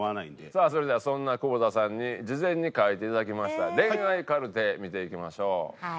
さあそれではそんな久保田さんに事前に書いていただきました恋愛カルテ見ていきましょう。